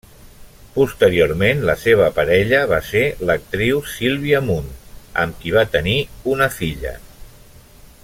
Posteriorment la seva parella va ser l'actriu Sílvia Munt amb qui va tenir una filla.